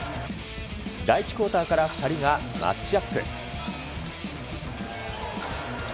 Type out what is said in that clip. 第１クオーターから、２人がマッチアップ。